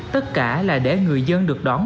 tất cả là để người dân được đón